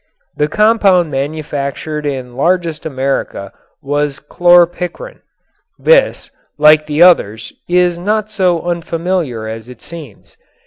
The compound manufactured in largest amount in America was chlorpicrin. This, like the others, is not so unfamiliar as it seems.